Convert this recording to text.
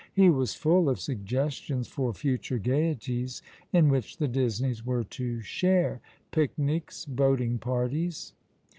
He was full of suggestions for future gaieties in which the Disneys were to share — picnics, boating I)arties.